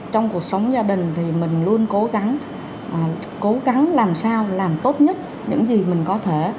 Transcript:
trong cuộc sống gia đình thì mình luôn cố gắng cố gắng làm sao làm tốt nhất những gì mình có thể